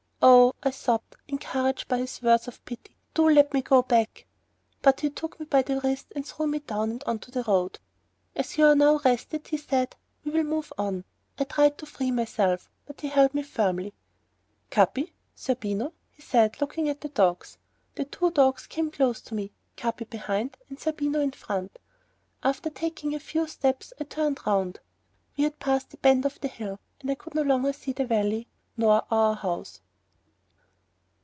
"Oh," I sobbed, encouraged by his words of pity, "do let me go back." But he took me by the wrist and drew me down and onto the road. "As you are now rested," he said, "we'll move on." I tried to free myself, but he held me firmly. "Capi! Zerbino," he said, looking at the dogs. The two dogs came close to me; Capi behind, Zerbino in front. After taking a few steps I turned round. We had passed the bend of the hill and I could no longer see the valley nor our house.